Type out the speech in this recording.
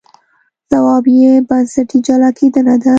ځواب یې بنسټي جلا کېدنه ده.